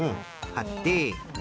はって。